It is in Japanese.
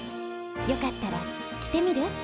よかったら着てみる？